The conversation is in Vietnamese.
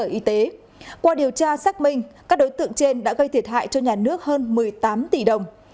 để tiếp tục điều tra về tội vi phạm quy định về đấu thầu gây hậu quả nghiêm trọng